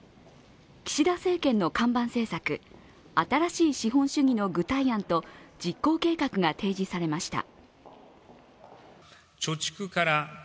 岸田政権の看板政策、新しい資本主義の具体案と実行計画が提示されました。